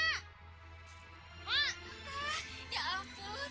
enaknya orang r provincial